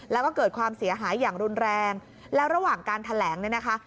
แล้วก็เกิดความเสียหายอย่างรุนแรงแล้วระหว่างการแถลงเนี่ยนะคะ